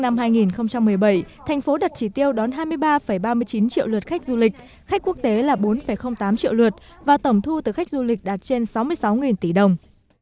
năm hai nghìn một mươi bảy thành phố đặt chỉ tiêu đón hai mươi ba ba mươi chín triệu lượt khách du lịch khách quốc tế là bốn tám triệu lượt và tổng thu từ khách du lịch đạt trên sáu mươi sáu tỷ đồng